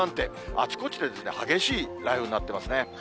あちこちで激しい雷雨になってますね。